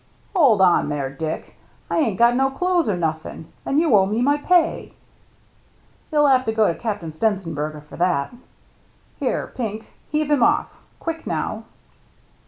" Hold on there, Dick ; I ain't got no clothes or nothin'. And you owe me my pay —"" You'll have to go to Cap'n Stenzenberger about that. Here, Pink, heave him ofF. Quick, now!"